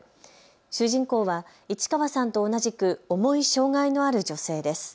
主人公は市川さんと同じく重い障害のある女性です。